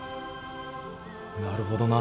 なるほどな。